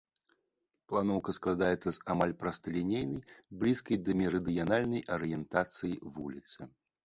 Планоўка складаецца з амаль прасталінейнай, блізкай да мерыдыянальнай арыентацыі вуліцы.